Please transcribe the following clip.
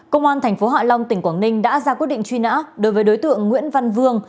công an tp hạ long tỉnh quảng ninh đã ra quyết định truy nã đối với đối tượng nguyễn văn vương